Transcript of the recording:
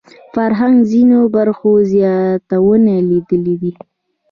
فرهنګ ځینو برخو زیانونه لیدلي دي